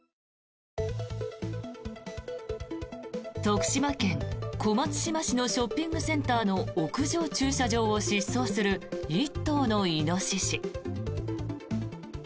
徳島県小松島市のショッピングセンターの屋上駐車場を疾走する１頭のイノシシ。